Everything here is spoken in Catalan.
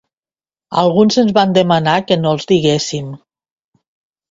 Alguns ens van demanar que no els diguéssim.